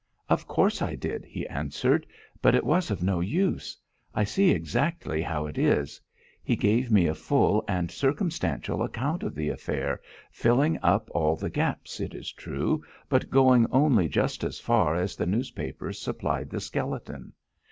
"Of course I did," he answered; "but it was of no use. I see exactly how it is. He gave me a full and circumstantial account of the affair, filling up all the gaps, it is true, but going only just as far as the newspapers supplied the skeleton.